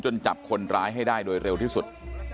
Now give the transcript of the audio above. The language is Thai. จับคนร้ายให้ได้โดยเร็วที่สุด